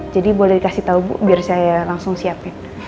jadi boleh dikasih tau bu biar saya langsung siapin